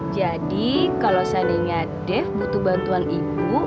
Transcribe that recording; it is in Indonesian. jadi kalau seandainya dev butuh bantuan ibu